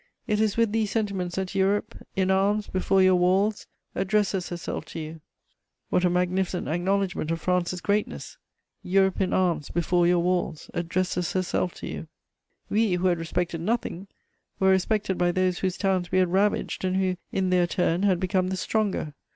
It is with these sentiments that Europe, in arms before your walls, addresses herself to you!" What a magnificent acknowledgment of France's greatness: "Europe, in arms before your walls, addresses herself to you!" [Sidenote: Capitulation of Paris.] We, who had respected nothing, were respected by those whose towns we had ravaged and who, in their turn, had become the stronger.